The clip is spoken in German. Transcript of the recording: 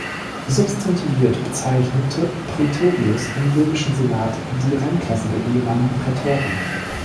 Substantiviert bezeichnete "praetorius" im römischen Senat die Rangklasse der ehemaligen Prätoren.